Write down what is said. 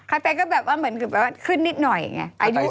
ข้าวไตก็แบบว่าเหมือนขึ้นนิดหน่อยไง